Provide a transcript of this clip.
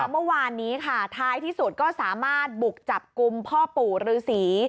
เมื่อวานนี้ค่ะท้ายที่สุดก็สามารถบุกจับกลุ่มพ่อปู่ฤษี